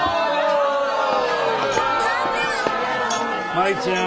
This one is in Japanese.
舞ちゃん